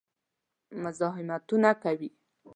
مزاحمتونه کوي.